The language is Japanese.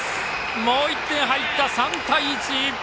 もう１点入って３対１。